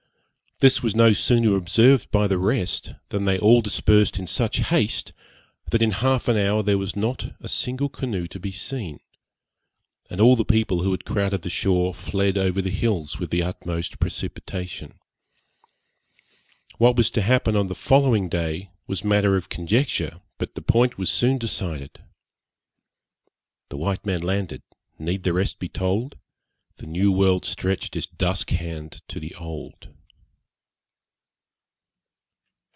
This was no sooner observed by the rest, than they all dispersed in such haste, that in half an hour there was not a single canoe to be seen; and all the people who had crowded the shore fled over the hills with the utmost precipitation. What was to happen on the following day was matter of conjecture, but this point was soon decided. The white man landed; need the rest be told? The new world stretch'd its dusk hand to the old.